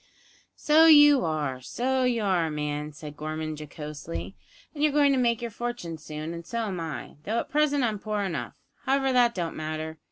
"So you are, so you are, man," said Gorman jocosely, "and you're going to make your fortune soon, and so am I, though at present I'm poor enough. However, that don't matter.